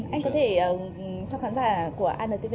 anh có thể cho khán giả của antv được biết là